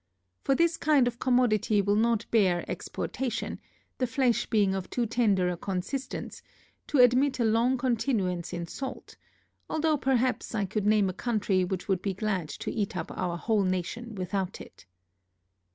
For this kind of commodity will not bear exportation, and flesh being of too tender a consistence, to admit a long continuance in salt, although perhaps I could name a country, which would be glad to eat up our whole nation without it.